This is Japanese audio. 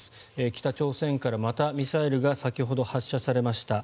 北朝鮮から、またミサイルが先ほど発射されました。